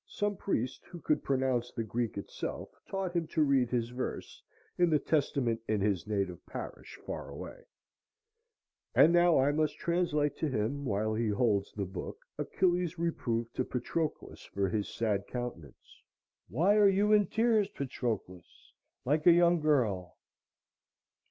Some priest who could pronounce the Greek itself taught him to read his verse in the testament in his native parish far away; and now I must translate to him, while he holds the book, Achilles' reproof to Patroclus for his sad countenance.—"Why are you in tears, Patroclus, like a young girl?"